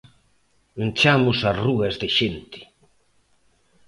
Enchamos as rúas de xente.